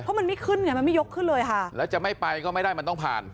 เพราะมันไม่ขึ้นไงมันไม่ยกขึ้นเลยค่ะแล้วจะไม่ไปก็ไม่ได้มันต้องผ่าน